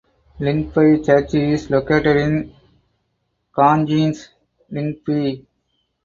Lyngby Church is located in Kongens Lyngby.